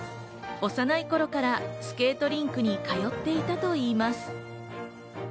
幼い頃からスケートリンクに通っていたといいます。